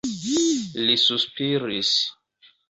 Li suspiris.